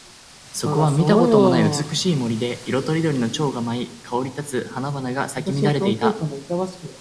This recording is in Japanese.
そこは見たこともない美しい森で、色とりどりの蝶が舞い、香り立つ花々が咲き乱れていた。